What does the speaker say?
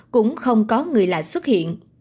cũng không có người lại xuất hiện